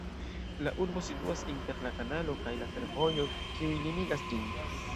La urbo situas inter la kanalo kaj la fervojo, kiuj limigas ĝin.